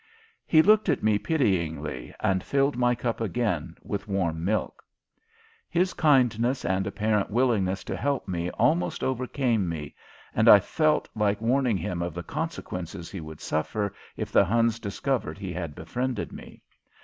He looked at me pityingly and filled my cup again with warm milk. His kindness and apparent willingness to help me almost overcame me, and I felt like warning him of the consequences he would suffer if the Huns discovered he had befriended me.